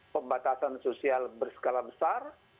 pembatasan sosial berskala besar